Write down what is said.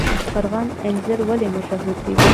تاشقرغان انځر ولې مشهور دي؟